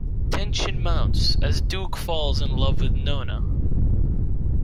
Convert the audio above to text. Tension mounts as Duke falls in love with Nona.